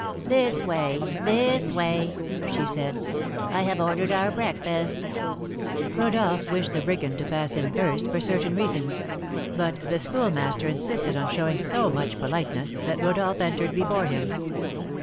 "This way; this way," she said. "I have ordered our breakfast." Rodolph wished the brigand to pass in first, for certain reasons; but the Schoolmaster insisted on showing so much politeness, that Rodolph entered before him.